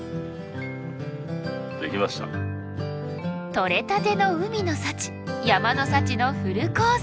とれたての海の幸山の幸のフルコース。